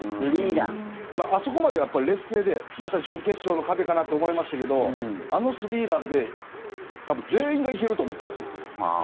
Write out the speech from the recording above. あそこまで劣勢でまた準決勝の壁かなと思いましたけどあのスリーランで多分、全員が行けると思ったらしいですよ。